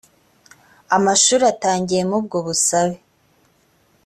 amashuri atangiyemo ubwo busabe